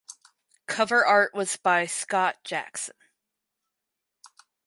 Cover art was by Scott Jackson.